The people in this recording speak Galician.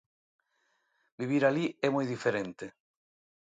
Vivir alí é moi diferente.